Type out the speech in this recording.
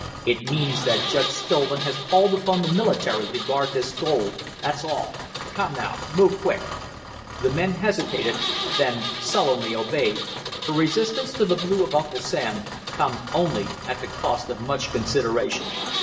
"It means that Judge Stillman has called upon the military to guard this gold, that's all. Come, now, move quick." The men hesitated, then sullenly obeyed, for resistance to the blue of Uncle Sam comes only at the cost of much consideration.